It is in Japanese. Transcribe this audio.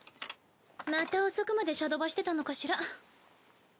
また遅くまでシャドバしてたのかしら。